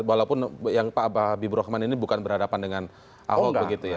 walaupun yang pak habibur rahman ini bukan berhadapan dengan ahok begitu ya